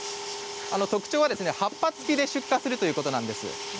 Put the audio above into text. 特徴は葉っぱ付きで出荷するということなんです。